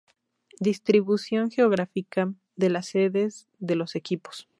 Distribución geográfica de las sedes de los equipos.